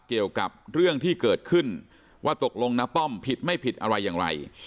เกี่ยวกับเรื่องที่เกิดขึ้นว่าตกลงน้าป้อมผิดไม่ผิดอะไรอย่างไร